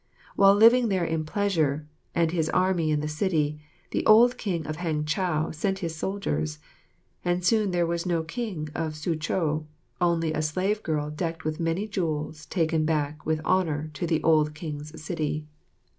While living there in pleasure, and his army in the city, the old King of Hangchow sent his soldiers; and soon there was no King of Soochow, only a slave girl decked with many jewels was taken back with honour to the old King's city.